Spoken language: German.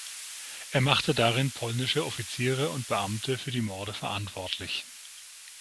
Er machte darin polnische Offiziere und Beamte für die Morde verantwortlich.